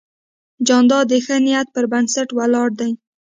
جانداد د ښه نیت پر بنسټ ولاړ دی.